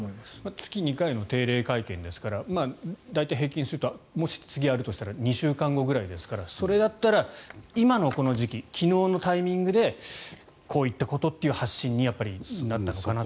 月２回の定例会見ですから大体平均するともし次あるとしたら２週間後くらいですからそれだったら今のこの時期昨日のタイミングでこういったことという発信になったのかなと。